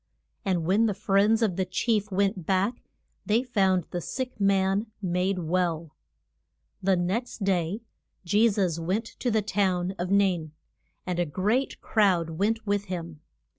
And when the friends of the chief went back they found the sick man made well. The next day Je sus went to the town of Nain. And a great crowd went with him.